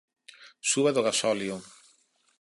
Suba do gasóleo